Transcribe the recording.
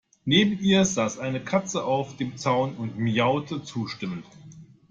Neben ihr saß eine Katze auf dem Zaun und miaute zustimmend.